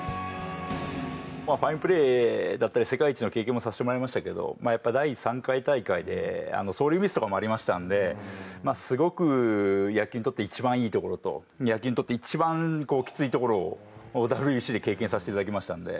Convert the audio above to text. ファインプレーだったり世界一の経験もさせてもらいましたけどやっぱ第３回大会で走塁ミスとかもありましたのですごく野球にとって一番いいところと野球にとって一番きついところをＷＢＣで経験させて頂きましたので。